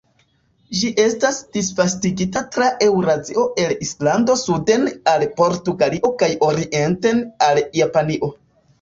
Ĝi estas disvastigita tra Eŭrazio el Islando suden al Portugalio kaj orienten al Japanio.